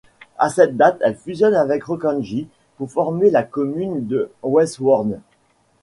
À cette date, elle fusionne avec Rockanje pour former la commune de Westvoorne.